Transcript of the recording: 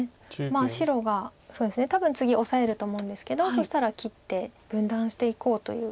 白が多分次オサえると思うんですけどそしたら切って分断していこうという打ち方です。